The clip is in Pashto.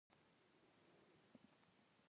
لاهور ته تر رسېدلو دمخه مشهور متل و.